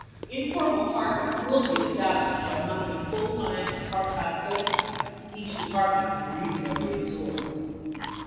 Informal targets will be established on how many full time and part time placements each Department can rea sonably absorb.